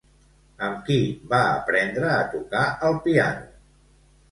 Amb qui va aprendre a tocar el piano?